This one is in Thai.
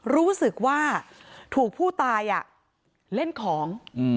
รู้สึกว่าถูกผู้ตายเล่นของ